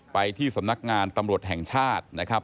ไปที่สำนักงานตำรวจแห่งชาตินะครับ